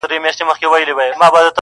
ته خبر یې د تودې خوني له خونده؟؛!